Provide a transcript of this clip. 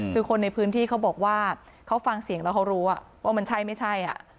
คือคนในพื้นที่เขาบอกว่าเขาฟังเสียงแล้วเขารู้ว่ามันใช่ไม่ใช่